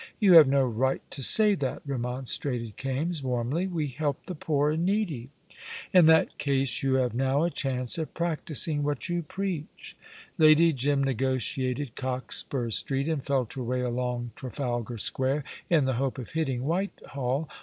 "You have no right to say that," remonstrated Kaimes, warmly. "We help the poor and needy." "In that case you have now a chance of practising what you preach." Lady Jim negotiated Cockspur Street and felt her way along Trafalgar Square in the hope of hitting Whitehall.